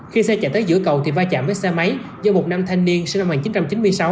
khi xe chạy tới giữa cầu thì va chạm với xe máy do một nam thanh niên sinh năm một nghìn chín trăm chín mươi sáu